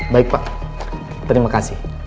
baik pak terima kasih